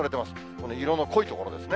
この色の濃い所ですね。